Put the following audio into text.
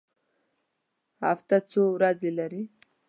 هفته څو ورځې لري؟